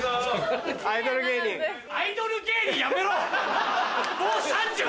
「アイドル芸人」やめろ！